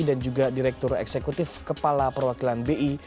dan juga direktur eksekutif kepala perwakilan bi